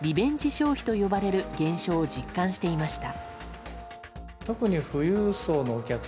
消費と呼ばれる現象を実感していました。